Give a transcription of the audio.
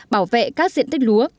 bảo vệ các diện tích lúa